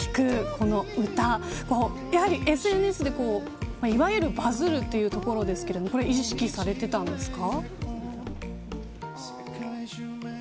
この歌ＳＮＳで、いわゆるバズるというところですが意識されていましたか。